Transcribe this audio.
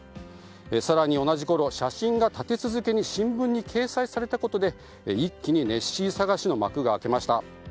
更に、同じころ写真が立て続けに新聞に掲載されたことで一気にネッシー探しの幕が開けました。